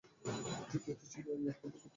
তৃতীয়টি ছিল ইয়াহুদা-এর গোত্র।